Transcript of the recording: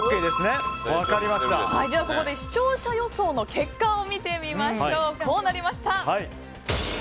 ここで視聴者予想の結果見てみましょう。